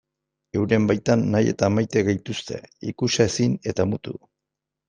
Euren baitan nahi eta maite gaituzte, ikusezin eta mutu.